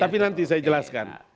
tapi nanti saya jelaskan